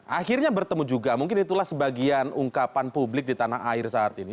akhirnya bertemu juga mungkin itulah sebagian ungkapan publik di tanah air saat ini